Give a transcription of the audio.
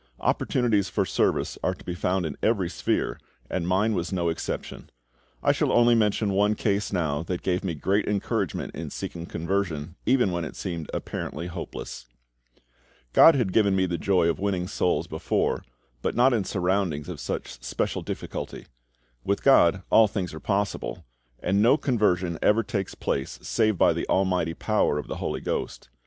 Opportunities for service are to be found in every sphere, and mine was no exception. I shall only mention one case now that gave me great encouragement in seeking conversion even when it seemed apparently hopeless. GOD had given me the joy of winning souls before, but not in surroundings of such special difficulty. With GOD all things are possible, and no conversion ever takes place save by the almighty power of the HOLY GHOST.